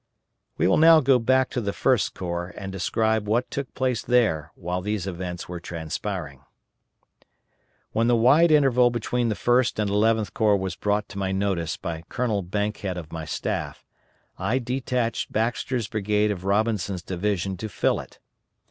We will now go back to the First Corps and describe what took place there while these events were transpiring. When the wide interval between the First and Eleventh Corps was brought to my notice by Colonel Bankhead of my staff, I detached Baxter's brigade of Robinson's division to fill it.